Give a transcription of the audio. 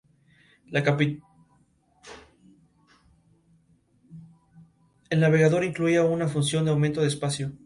El navegador incluía una función de aumento de espacio.